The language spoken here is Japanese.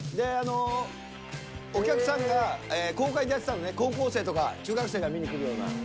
お客さんが公開でやってたのね、高校生とか中学生が見に来るような。